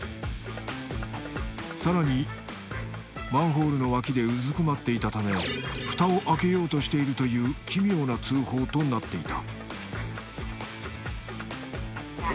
さらにマンホールの脇でうずくまっていたため蓋を開けようとしているという奇妙な通報となっていた